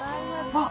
あっ。